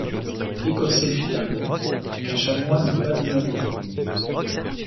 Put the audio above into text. Écossais fit un bond qu’un chamois n’eût pas désavoué.